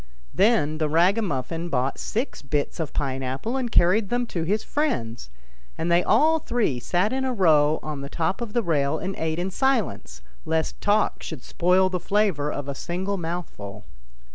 Then the ragamuffin bought six bits of pine apple and carried them to his friends, and they all three sat in a row on the top of the rail and ate in silence, lest talk should spoil the flavour of a single mouthful.